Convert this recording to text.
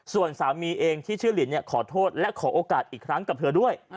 ส่วนสามีเองที่ชื่อลินขอโทษและขอโอกาสอีกครั้งกับเธอด้วย